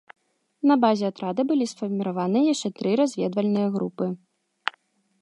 На базе атрада былі сфарміраваны яшчэ тры разведвальныя групы.